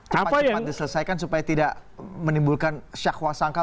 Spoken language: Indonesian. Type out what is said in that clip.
cepat cepat diselesaikan supaya tidak menimbulkan syakwa sangka